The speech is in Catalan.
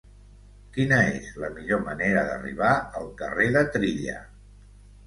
Quina és la millor manera d'arribar al carrer de Trilla?